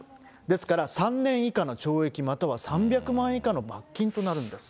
ですから、３年以下の懲役または３００万円以下の罰金となるんです。